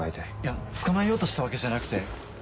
いや捕まえようとしたわけじゃなくて。